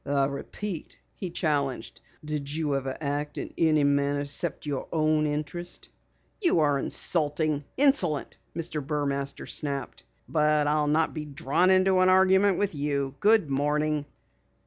"I repeat," he challenged, "did you ever act in any manner except for your own interest?" "You are insulting! Insolent!" Mr. Burmaster snapped. "But I'll not be drawn into an argument with you. Good morning!"